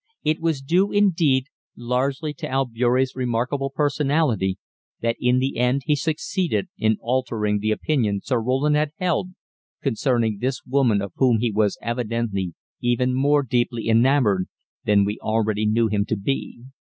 It was due, indeed, largely to Albeury's remarkable personality that in the end he succeeded in altering the opinion Sir Roland had held concerning this woman of whom he was evidently even more deeply enamoured than we already knew him to be.